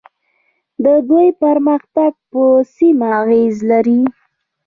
د دوی پرمختګ په سیمه اغیز لري.